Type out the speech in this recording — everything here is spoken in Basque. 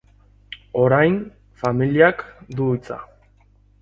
Orain, familiak du hitza.